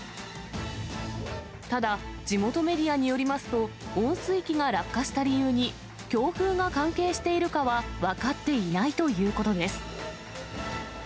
ただ、地元メディアによりますと、温水器が落下した理由に強風が関係しているかは分かっていないということです。